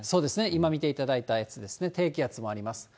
今見ていただいたやつですね、低気圧もあります。